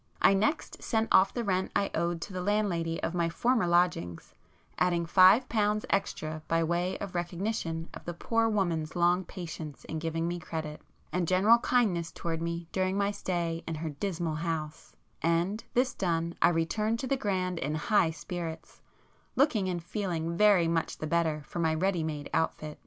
I next sent off the rent I owed to the landlady of my former lodgings, adding five pounds extra by way of recognition of the poor woman's long patience in giving me credit, and general kindness towards me during my stay in her dismal house,—and this done I returned to the Grand in high spirits, looking and feeling very much the better for my ready made outfit.